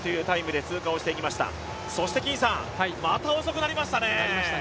また遅くなりましたね。